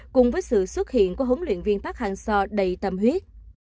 cùng với sự xuất hiện của huấn luyện viên pháp hàng so đầy tâm huyết